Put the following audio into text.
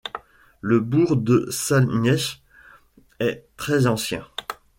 Le bourg de Salmiech est très ancien.